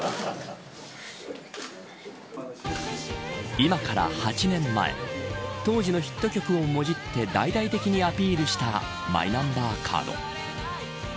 今から８年前当時のヒット曲をもじって大々的にアピールしたマイナンバーカード。